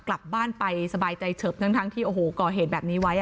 กลับบ้านไปสบายใจเฉิบทั้งที่โอ้โหก่อเหตุแบบนี้ไว้